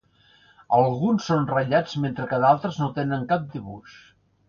Alguns són ratllats mentre que d'altres no tenen cap dibuix.